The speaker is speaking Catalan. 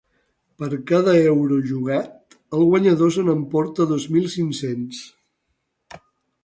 Per cada euro jugat, el guanyador se n’emporta dos mil cinc-cents.